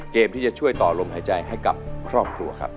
เกมที่จะช่วยต่อลมหายใจให้กับครอบครัวครับ